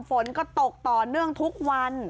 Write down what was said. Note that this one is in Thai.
ฝนก็ตกต่อเนื่องทุกวัน